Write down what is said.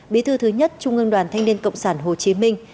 bí thư thứ nhất trung ương đoàn thanh niên cộng sản hồ chí minh